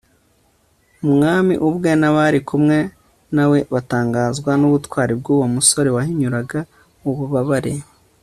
umwami ubwe n'abari kumwe na we batangazwa n'ubutwari bw'uwo musore, wahinyuraga ububabare